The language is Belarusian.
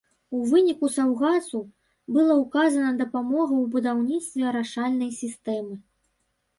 У выніку саўгасу была аказана дапамога ў будаўніцтве арашальнай сістэмы.